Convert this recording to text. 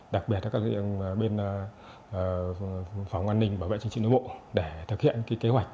đặc biệt các lực lượng bên phòng an ninh bảo vệ chính trị nước bộ để thực hiện kế hoạch